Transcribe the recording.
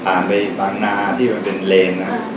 ผ่านไปผ่านหน้าที่มันเป็นเลนนะ